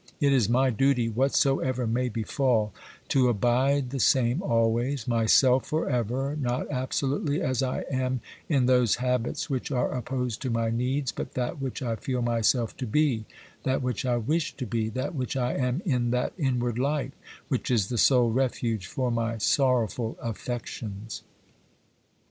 It is my duty, OBERMANN 25 whatsoever may befall, to abide the same always, myself for ever, not absolutely as I am in those habits which are opposed to my needs, but that which I feel myself to be, that which I wish to be, that which I am in that inward life, which is the sole refuge for my sorrowful affections.